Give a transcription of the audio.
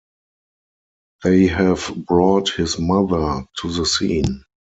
They have brought his mother to the scene.